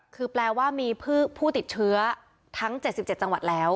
คือแปลว่ามีผู้ติดเชื้อทั้ง๗๗จังหวัดแล้ว